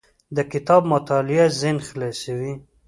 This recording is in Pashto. د کتاب مطالعه ذهن خلاصوي.